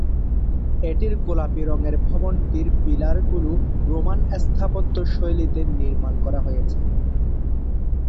এটির গোলাপি রঙের ভবনটির পিলার গুলো রোমান স্থাপত্য শৈলীতে নির্মাণ করা হয়েছে।